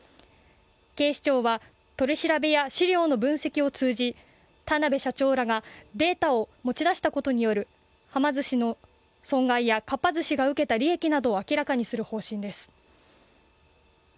警視庁は取り調べや資料の分析を通じ田辺社長らがデータを持ち出したことによるはま寿司の損害やかっぱ寿司が受けた利益などを明らかにする方針です。